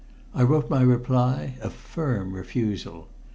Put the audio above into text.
I wrote my reply a firm refusal.